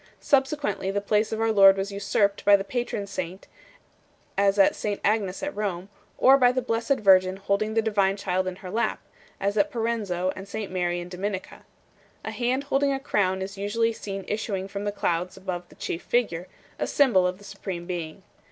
Subsequently the place of our Lord was usurped by the patron saint (as at St Agnes at Rome), or by the Blessed Virgin holding the Divine Child in her lap (as at Parenzo and St Mary in Dominica). A hand holding a crown is usually seen issuing from the clouds above the chief figure, a symbol of the Supreme Being.